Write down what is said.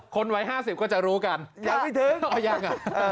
คนไว้๕๐ก็จะรู้กันยังไม่ถึง